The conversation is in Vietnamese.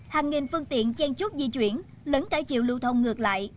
hàng nghìn phương tiện chen chút di chuyển lấn cả chiều lưu thông ngược lại